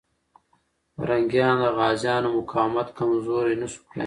پرنګیان د غازيانو مقاومت کمزوری نسو کړای.